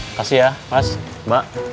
makasih ya mas emak